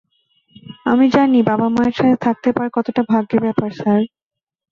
আমি জানি বাবা-মায়ের সাথে থাকতে পারা কতটা ভাগ্যের ব্যাপার, স্যার।